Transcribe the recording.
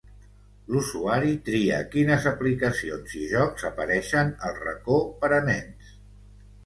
L'usuari tria quines aplicacions i jocs apareixen al Racó per a nens.